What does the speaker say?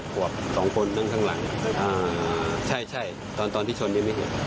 ๒คนนั่งข้างหลังใช่ตอนที่ชนยังไม่เห็น